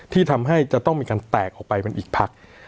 ที่ทำให้จะต้องมีการแตกออกไปเป็นอีกพัก